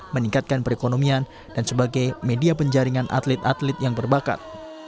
meningkatkan perekonomian dan sebagai media penjaringan atlet atlet yang berbakat